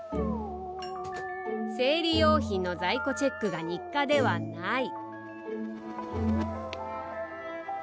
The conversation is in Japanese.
生理用品の在庫チェックが日課ではない。